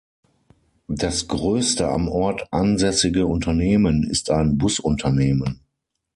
Das größte am Ort ansässige Unternehmen ist ein Busunternehmen.